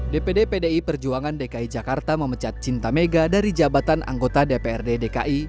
dpd pdi perjuangan dki jakarta memecat cinta mega dari jabatan anggota dprd dki